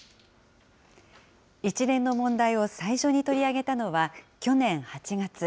一連の問題を最初に取り上げたのは去年８月。